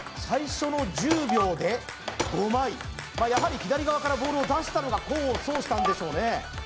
最初の１０秒で５枚やはり左側からボールを出したのが功を奏したんでしょうね